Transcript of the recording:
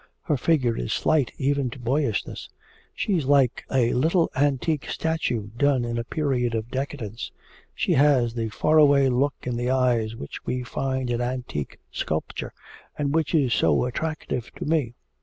Her figure is slight even to boyishness. She's like a little antique statue done in a period of decadence. She has the far away look in the eyes which we find in antique sculpture, and which is so attractive to me.